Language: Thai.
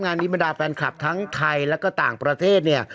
งานนี้บรรดาแฟนคลับทั้งไทยแล้วก็ต่างประเทศเนี่ย